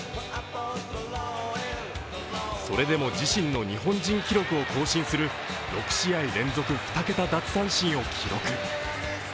それでも自身の日本人記録を更新する６試合連続２桁奪三振を記録。